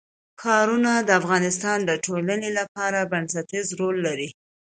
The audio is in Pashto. ښارونه د افغانستان د ټولنې لپاره بنسټيز رول لري.